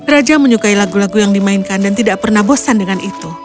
raja menyukai lagu lagu yang dimainkan dan tidak pernah bosan dengan itu